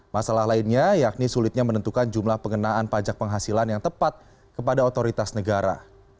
masalah lainnya yakni sulitnya menentukan jumlah pengenaan pajak penghasilan yang tepat kepada otoritas negara